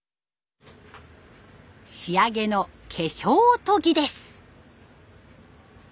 仕上げの化粧研ぎです。